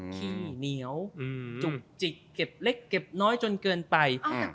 ขี้เหนียวอืมจุกจิกเก็บเล็กเก็บน้อยจนเกินไป